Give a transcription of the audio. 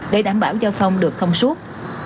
để đảm bảo giao thông được không suốt